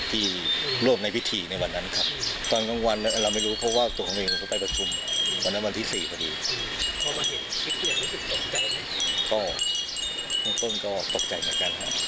ถ้าไปละทั้งแถมอีก